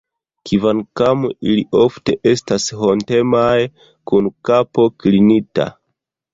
Kvankam ili ofte estas hontemaj, kun kapo klinita.